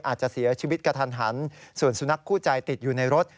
อาจจะเสียชีวิตกระทันหันส่วนสุนัขคู่ใจติดอยู่ในรถ